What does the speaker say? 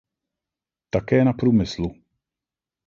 Také na průmyslu.